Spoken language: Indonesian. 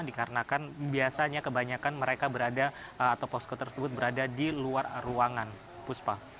dikarenakan biasanya kebanyakan mereka berada atau posko tersebut berada di luar ruangan puspa